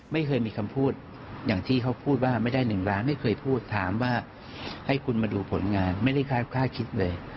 ไม่เคยมีคำพูดอย่างที่เขาพูดว่าไม่ได้๑ล้านไม่เคยพูดถามว่าให้คุณมาดูผลงานไม่ได้ค่าคิดเลย